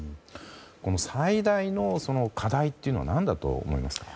最大の課題というのは何だと思いますか？